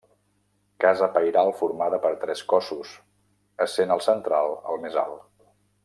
Casa pairal formada per tres cossos, essent el central el més alt.